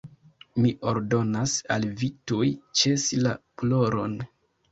"Mi ordonas al vi tuj ĉesi la ploron."